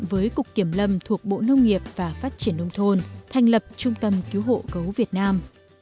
với cục kiểm lâm thuộc bộ nông nghiệp và phát triển nông thôn thành lập trung tâm cứu hộ gấu việt nam